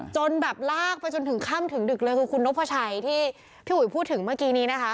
จนแบบลากไปจนถึงค่ำถึงดึกเลยคือคุณนพชัยที่พี่อุ๋ยพูดถึงเมื่อกี้นี้นะคะ